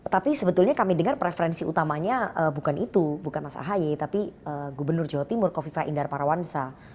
tapi sebetulnya kami dengar preferensi utamanya bukan itu bukan mas ahy tapi gubernur jawa timur kofifa indar parawansa